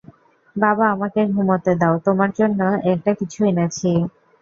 বাবা, আমাকে ঘুমোতে দাও তোমার জন্য একটা কিছু এনেছি।